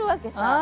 あ！